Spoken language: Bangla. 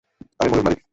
আমি ময়ূর মারিনি।